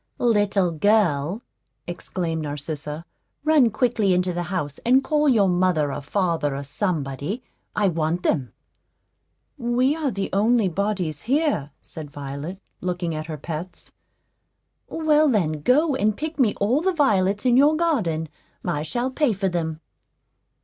"Little girl," exclaimed Narcissa, "run quickly into the house and call your mother or father, or somebody; I want them." "We are the only bodies here," said Violet, looking at her pets. "Well, then, go and pick me all the violets in your garden; I shall pay for them."